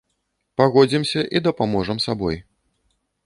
Пагодзімся і дапаможам сабой.